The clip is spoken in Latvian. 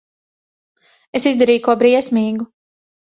Es izdarīju ko briesmīgu.